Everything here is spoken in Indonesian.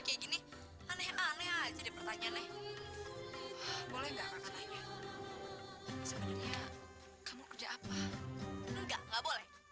kayak gini aneh aneh jadi pertanyaannya boleh nggak sebenarnya kamu kerja apa enggak boleh